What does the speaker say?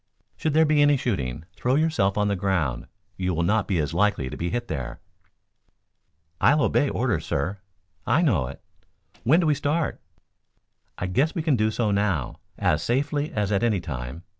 "Should there be any shooting, throw yourself on the ground. You will not be as likely to be hit there." "I'll obey orders, sir." "I know it." "When do we start?" "I guess we can do so now, as safely as at any time.